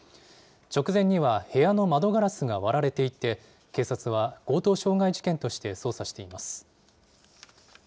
直前には、部屋の窓ガラスが割られていて、警察は強盗傷害事件として捜査しています。